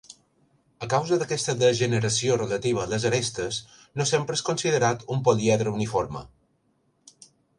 A causa d'aquesta degeneració relativa a les arestes, no sempre és considerat un políedre uniforme.